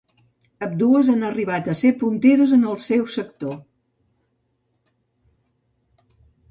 Ambdues han arribat a ser punteres en el seu sector.